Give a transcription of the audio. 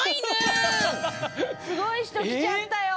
すごい人来ちゃったよ。